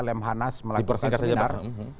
lemhanas melakukan seminar